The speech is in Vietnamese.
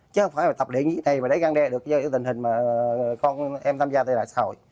chứ không phải là tập luyện như thế này mà đẩy răng đe được như tình hình mà con em tham gia tại lại xã hội